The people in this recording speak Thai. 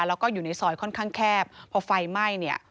แล้วก็อยู่ในซอยค่อนข้างแคบพอไฟไหม้เนี่ย